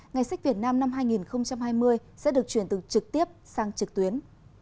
ngày sách việt nam năm hai nghìn hai mươi sẽ được chuyển từ trực tiếp sang trực tuyến